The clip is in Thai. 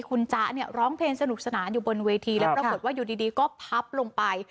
คุณจ๊ะเนี่ยร้องเพลงสนุกสนานอยู่บนเวทีแล้วปรากฏว่าอยู่ดีก็พับลงไป